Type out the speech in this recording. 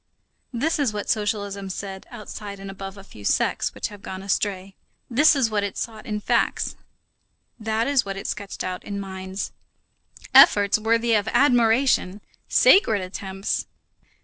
This is what socialism said outside and above a few sects which have gone astray; that is what it sought in facts, that is what it sketched out in minds. Efforts worthy of admiration! Sacred attempts!